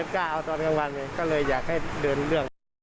กล้าเอาตอนกลางวันเลยก็เลยอยากให้เดินเรื่อง